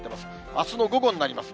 あすの午後になります。